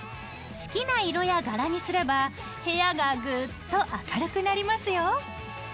好きな色や柄にすれば部屋がぐっと明るくなりますよ！